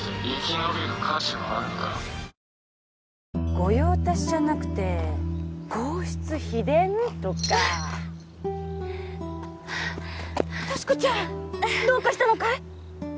御用達じゃなくて皇室秘伝とかあッああ俊子ちゃんどうかしたのかい？